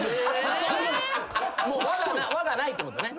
輪がないってことね。